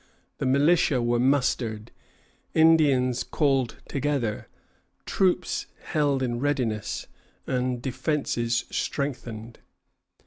The militia were mustered, Indians called together, troops held in readiness, and defences strengthened.